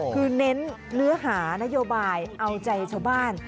คือเน้นเนื้อหานโยบายเอาใจชาวบ้าน